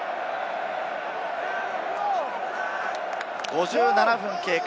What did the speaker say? ５７分が経過。